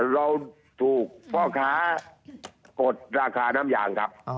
เราถูกพ่อค้ากดราคาน้ำยางครับ